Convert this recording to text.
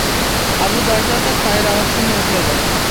Abu Darda তাঁর পায়ের আওয়াজ শুনে উঠে এলেন।